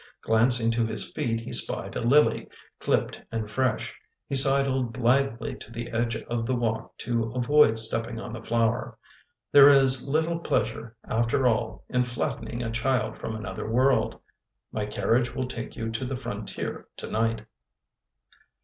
Glancing to his feet he spied a lily, clipped and fresh. He sidled blithely to the edge of the walk to avoid stepping on the flower. There is little pleasure, after all, in flattening a child from another world. ... My carriage will take you to the frontier, tonight."